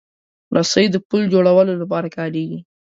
رسۍ د پُل جوړولو لپاره کارېږي.